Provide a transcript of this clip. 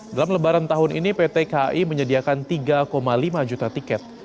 dalam lebaran tahun ini pt kai menyediakan tiga lima juta tiket